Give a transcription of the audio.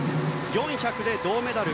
４００で銅メダル。